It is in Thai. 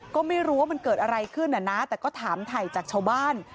ก็ไม่รู้ว่ามันเกิดอะไรขึ้นนะแต่ก็ถามถ่ายจากชาวบ้าน